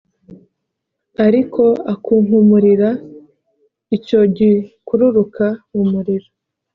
ariko akunkumurira icyo gikururuka mu muriro